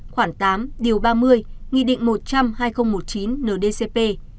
khoảng tám điều ba mươi nghị định một trăm linh hai nghìn một mươi chín ndcp